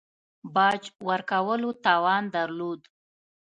باج ورکولو توان درلود.